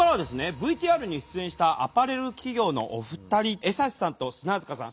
ＶＴＲに出演したアパレル企業のお二人江刺さんと砂塚さん